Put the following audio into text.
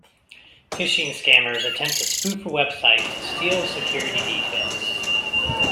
Phishing scammers attempt to spoof a website to steal security details.